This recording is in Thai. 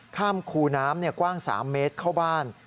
คูน้ำกว้าง๓เมตรเข้าบ้าน